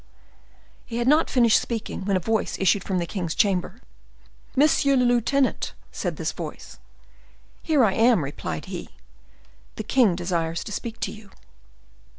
He had not finished speaking when a voice issued from the king's chamber. "Monsieur le lieutenant!" said this voice. "Here I am," replied he. "The king desires to speak to you."